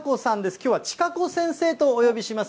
きょうは千賀子先生とお呼びします。